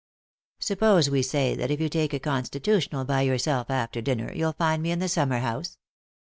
Suppose we say that if you take a constitutional by yourself after dinner you'll find me in the summer house